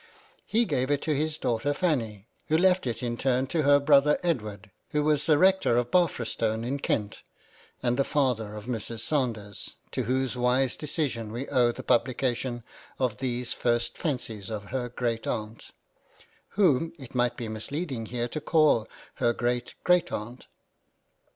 He gave it to his daughter Fanny, who left it in turn to her brother Edward, who was the Rector of Barfrestone in Kent, and the father of Mrs. Sanders, to whose wise decision we owe the publication of these first fancies of her great aunt ; whom it might be misleading here to call her great great aunt.